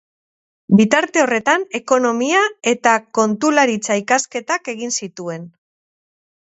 Bitarte horretan ekonomia- eta kontularitza-ikasketak egin zituen.